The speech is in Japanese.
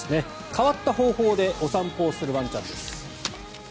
変わった方法でお散歩をするワンちゃんです。